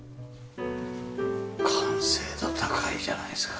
完成度高いじゃないですか！